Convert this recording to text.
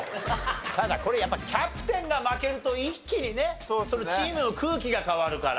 ただこれやっぱキャプテンが負けると一気にねチームの空気が変わるから。